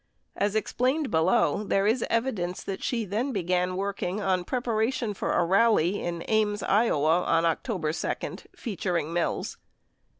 As explained below, there is evidence that she then began working on preparation for a rally in Ames, Iowa on October 2 featuring Mills.